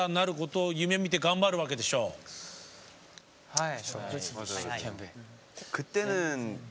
はい。